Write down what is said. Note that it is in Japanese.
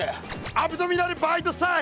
アブドミナルバイドサイ！